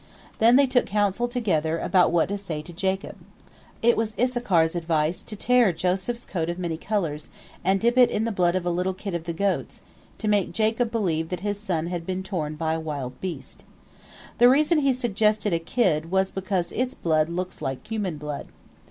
Then they took counsel together about what to say to Jacob. It was Issachar's advice to tear Joseph's coat of many colors, and dip it in the blood of a little kid of the goats, to make Jacob believe that his son had been torn by a wild beast. The reason he suggested a kid was because its blood looks like human blood.